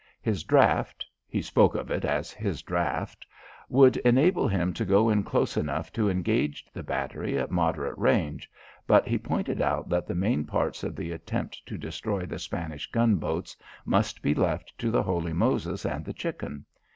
His draught he spoke of it as his draught would enable him to go in close enough to engage the battery at moderate range, but he pointed out that the main parts of the attempt to destroy the Spanish gunboats must be left to the Holy Moses and the Chicken.